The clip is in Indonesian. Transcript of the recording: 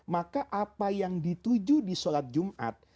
maka apa yang dituju di sholat jumat